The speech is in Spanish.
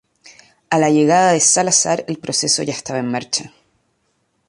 A la llegada de Salazar el proceso ya estaba en marcha.